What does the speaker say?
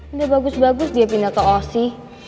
udah bagus bagus dia pindah ke oc